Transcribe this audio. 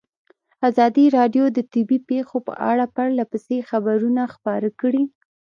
ازادي راډیو د طبیعي پېښې په اړه پرله پسې خبرونه خپاره کړي.